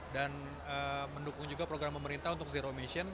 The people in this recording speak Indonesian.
dan mendukung juga program pemerintah untuk zero emission